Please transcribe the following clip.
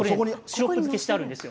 シロップ漬けしてあるんです。